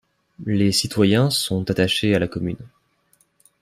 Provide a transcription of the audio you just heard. Les citoyens sont attachés à la commune.